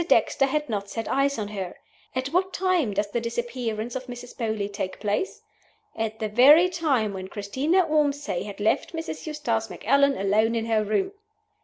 Dexter had not set eyes on her. At what time does the disappearance of Mrs. Beauly take place? At the very time when Christina Ormsay had left Mrs. Eustace Macallan alone in her room!